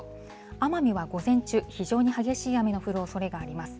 奄美は午前中、非常に激しい雨の降るおそれがあります。